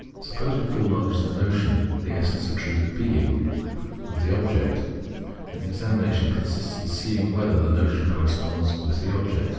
Suppose we call knowledge the notion, and the essence or truth "being" or the object, then the examination consists in seeing whether the notion corresponds with the object.